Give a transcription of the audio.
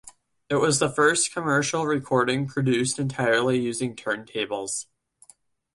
It was the first commercial recording produced entirely using turntables.